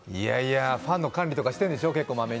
ファンの管理とかしてるんでしょ、結構まめに。